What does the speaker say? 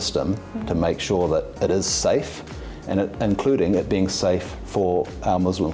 termasuk halal itu aman untuk pelanggan muslim